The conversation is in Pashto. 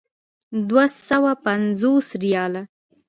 دوه سوه پنځوس ریاله.